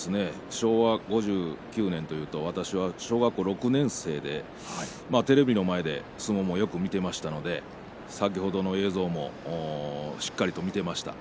昭和５９年というと私は小学校６年生でテレビの前で相撲をよく見ていましたので先ほどの映像もしっかりと見ていました。